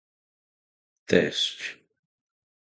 A inovação constante é parte de nossa cultura.